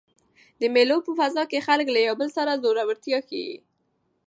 د مېلو په فضا کښي خلک له یو بل سره زړورتیا ښيي.